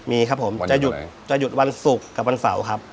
มีครับผมจะหยุดจะหยุดวันศุกร์กับวันเสาร์ครับ